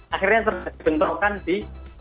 akhirnya terbenturkan di